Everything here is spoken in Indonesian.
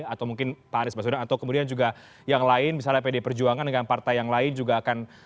atau mungkin pak anies baswedan atau kemudian juga yang lain misalnya pd perjuangan dengan partai yang lain juga akan